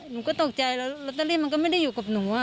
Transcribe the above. หนูก็ตกใจแล้วลอตเตอรี่มันก็ไม่ได้อยู่กับหนู